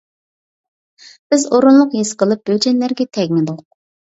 بىز ئورۇنلۇق ھېس قىلىپ بۆجەنلەرگە تەگمىدۇق.